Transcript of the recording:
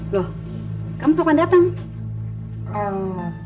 loh kamu kapan datang